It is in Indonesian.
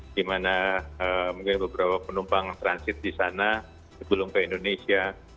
di mana mungkin beberapa penumpang transit di sana sebelum ke indonesia